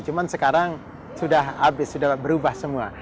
cuma sekarang sudah habis sudah berubah semua